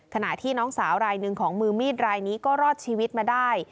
ขณะที่น้องสาวรายหนึ่งของมือมีดรายนี้ก็รอดชีวิตมาได้